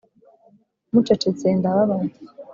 mucecetse ndababaye,